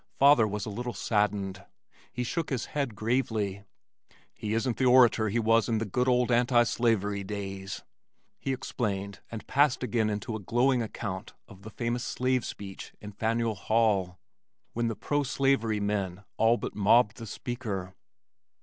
Father was a little saddened. He shook his head gravely. "He isn't the orator he was in the good old anti slavery days," he explained and passed again into a glowing account of the famous "slave speech" in Faneuil Hall when the pro slavery men all but mobbed the speaker.